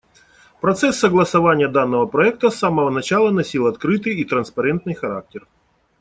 Процесс согласования данного проекта с самого начала носил открытый и транспарентный характер.